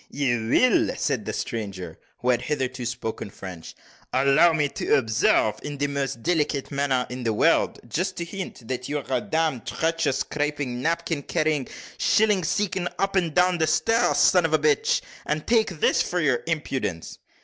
"You will!" said the stranger, who had hitherto spoken French. "Allow me to observe in the most delicate manner in the world just to hint, that you are a damned trencher scraping, napkin carrying, shilling seeking, up and down stairs son of a bitch and take this for your impudence!"